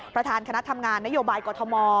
ประธานคณะทำงานนโยบายกรทม